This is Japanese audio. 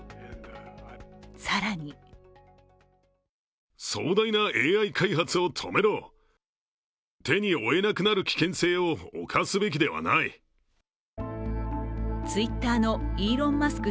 更にＴｗｉｔｔｅｒのイーロン・マスク